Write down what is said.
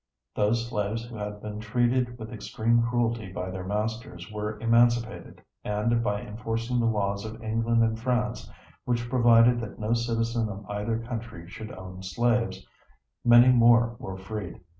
Those slaves who had been treated with extreme cruelty by their masters were emancipated, and by enforcing the laws of England and France, which provided that no citizen of either country should own slaves, many more were freed.